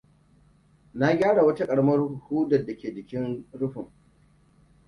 Na gyara wata ƙaramar hudar da ke jikin rufin.